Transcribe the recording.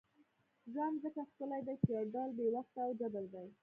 ژوند ځکه ښکلی دی چې یو ډول بې وخته او جبر دی.